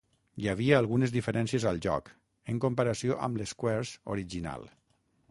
Hi havia algunes diferències al joc, en comparació amb l'Squares original.